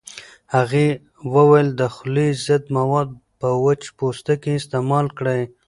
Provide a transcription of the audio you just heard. هغه وویل د خولې ضد مواد په وچ پوستکي استعمال کړئ.